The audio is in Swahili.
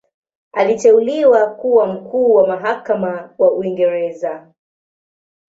Aliteuliwa kuwa Mkuu wa Mahakama wa Uingereza.